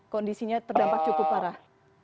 kondisinya terdampak cukup parah